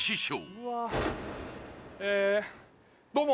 えどうも！